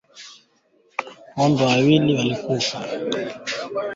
Ngombe kutingishika mbele na nyuma wakati wa kupumua